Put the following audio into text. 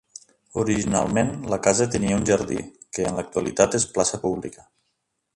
Originalment, la casa tenia un jardí, que en l'actualitat és plaça pública.